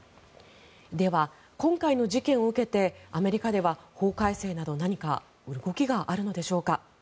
では、今回の事件を受けてアメリカでは法改正など何か動きがあるのでしょうか。